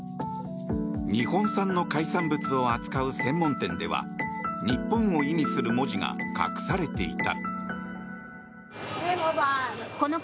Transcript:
日本産の海産物を扱う専門店では日本を意味する文字が隠されていた。